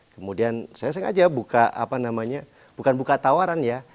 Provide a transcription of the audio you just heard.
kemudian saya sengaja buka apa namanya bukan buka tawaran ya